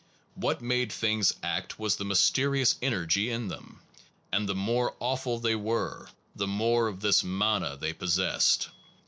What made things act was the mysterious energy in them, and the more awful they were, the more of this mana they possessed.